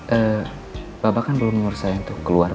eh bapak kan belum mengurus saya untuk keluar